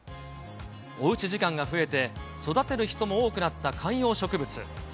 おうち時間が増えて、育てる人も多くなった観葉植物。